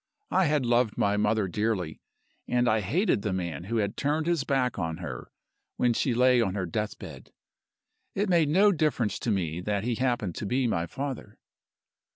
I had loved my mother dearly; and I hated the man who had turned his back on her when she lay on her deathbed. It made no difference to Me that he happened to be my father.